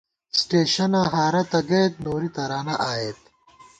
سٹېشَنہ ہارہ تَہ گئیت نوری ترانہ آئیت